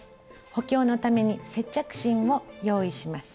補強のために接着芯を用意します。